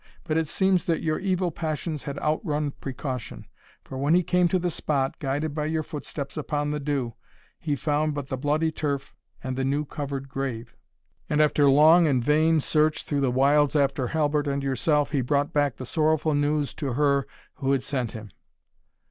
But it seems that your evil passions had outrun precaution: for when he came to the spot, guided by your footsteps upon the dew, he found but the bloody turf and the new covered grave; and after long and vain search through the wilds after Halbert and yourself, he brought back the sorrowful news to her who had sent him."